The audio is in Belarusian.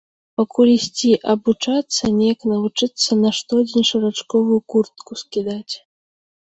Пакуль ісці абучацца, неяк навучыцца на штодзень шарачковую куртку скідаць.